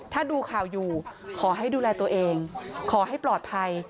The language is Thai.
ถ้าดูข่าวอยู่ขอให้ดูแลตัวเองขอให้ปลอดภัย